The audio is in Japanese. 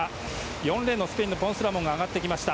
４レーン、スペインのポンス・ラモンが上がってきました。